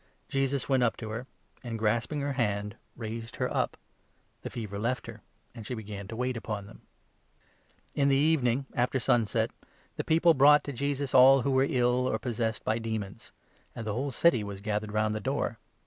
Jesus went up to her and, 31 grasping her hand, raised her up ; the fever left her, and she began to wait upon them. In the evening, after sunset, the people brought to Jesus 32 W Pan. a. 44. 2« Ps. 16, 19, MARK 1—2. 7 all who were ill or possessed by demons ; and the whole city 33 was gathered round the door.